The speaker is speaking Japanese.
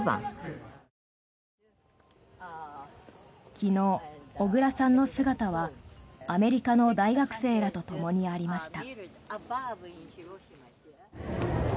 昨日、小倉さんの姿はアメリカの大学生らとともにありました。